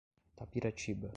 Tapiratiba